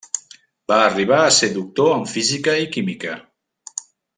Va arribar a ser Doctor en Física i Química.